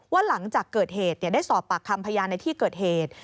หลังจากเกิดเหตุได้สอบปากคำพยานในที่เกิดเหตุ